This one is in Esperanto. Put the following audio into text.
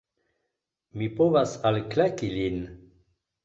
Mi povas alklaki lin!